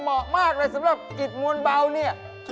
เหมาะมากเลยสำหรับกิจมวลเบาเนี่ย